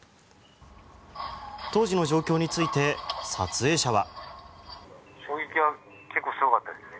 当時の状況について撮影者は。